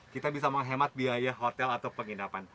kita bisa menghemat biaya hotel atau penginapan